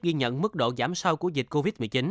ghi nhận mức độ giảm sâu của dịch covid một mươi chín